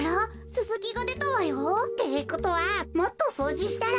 ススキがでたわよ。ってことはもっとそうじしたら。